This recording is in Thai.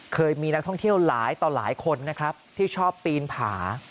เคยมีนักท่องเที่ยวหลายต่อหลายคนนะครับที่ชอบปีนผา